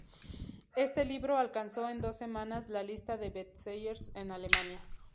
Este libro alcanzó en dos semanas la lista de bestsellers en Alemania.